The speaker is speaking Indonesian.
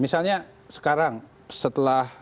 misalnya sekarang setelah